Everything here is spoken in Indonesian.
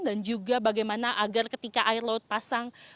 dan juga bagaimana agar ketika air laut pasang